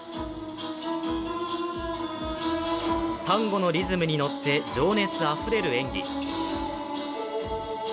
タンゴのリズムに乗って情熱あふれる演技。